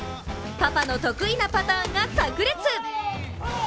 パパの得意なパターンがさく裂。